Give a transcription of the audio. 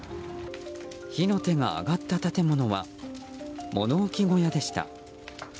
火の手が上がった建物は物置小屋でした。